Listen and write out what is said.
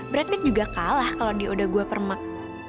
bradbeth juga kalah kalau dia udah gue permak